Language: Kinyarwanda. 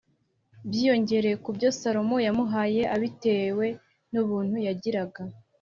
byiyongera ku byo salomo yamuhaye abitewe n ubuntu yagiraga